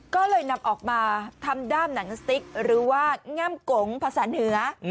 ก็เลยนำออกมาทำด้ามหนังสติ๊กหรือว่าง่ำกงภาษาเหนือ